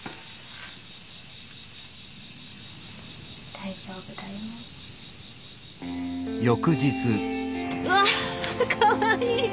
大丈夫だよ。うわかわいい。